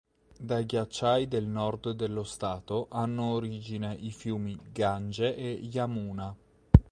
Dai ghiacciai del nord dello stato hanno origine i fiumi Gange e Yamuna.